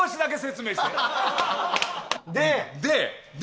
で。